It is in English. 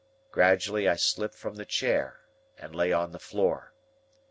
Gradually I slipped from the chair and lay on the floor.